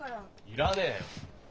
要らねえよ。